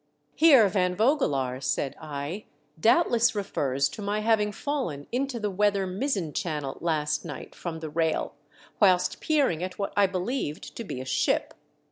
"Heer Van Vogelaar," said I, "doubtless refers to my having fallen into the weather mizzen channel last night from the rail, whilst peering at what I believed to be a ship.